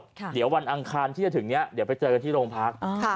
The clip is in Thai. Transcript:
เดี๋ยววันอังคารที่จะถึงเนี้ยเดี๋ยวไปเจอกันที่โรงพัก